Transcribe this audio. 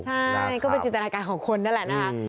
ใช่ก็เป็นจินตนาการของคนนั่นแหละนะคะ